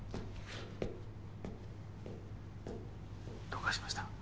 どうかしました？